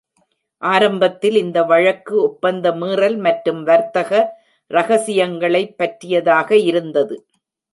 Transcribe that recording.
ஆரம்பத்தில் இந்த வழக்கு ஒப்பந்த மீறல் மற்றும் வர்த்தக ரகசியங்களை பற்றியதாக இருந்தது.